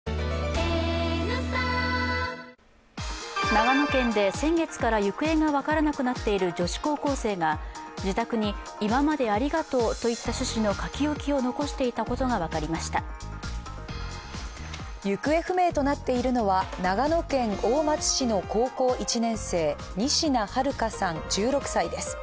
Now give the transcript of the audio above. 長野県で先月から行方が分からなくなっている女子高校生が、自宅に、今までありがとうといった趣旨の書き置きを行方不明となっているのは長野県大町市の高校１年生、仁科日花さん１６歳です。